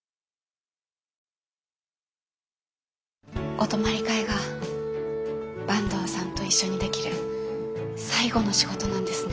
お泊まり会が坂東さんと一緒にできる最後の仕事なんですね。